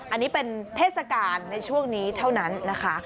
อันนี้เป็นเทศกาลในช่วงนี้เท่านั้นนะคะ